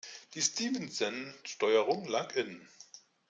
Die Stephenson-Steuerung lag innen.